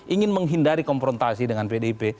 ingin menghindari konfrontasi dengan pdip